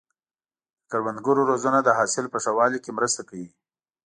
د کروندګرو روزنه د حاصل په ښه والي کې مرسته کوي.